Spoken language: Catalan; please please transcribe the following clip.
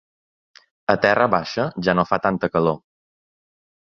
A Terra baixa ja no fa tanta calor.